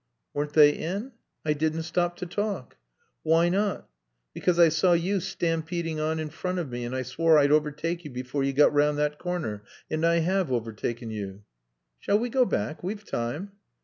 "Weren't they in?" "I didn't stop to ask." "Why not?" "Because I saw you stampeding on in front of me, and I swore I'd overtake you before you got round that corner. And I have overtaken you." "Shall we go back? We've time."